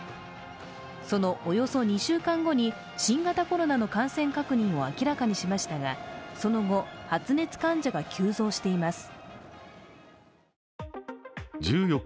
そのおよそ２週間後に新型コロナの感染確認を明らかにしましたが、その後、発熱患者が急増しています